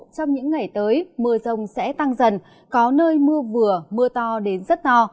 trong những ngày tới mưa rông sẽ tăng dần có nơi mưa vừa mưa to đến rất to